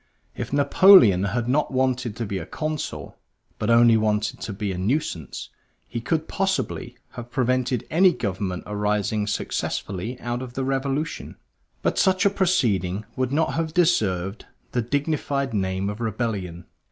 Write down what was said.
If Napoleon had not wanted to be a Consul, but only wanted to be a nuisance, he could, possibly, have prevented any government arising successfully out of the Revolution. But such a proceeding would not have deserved the dignified name of rebellion.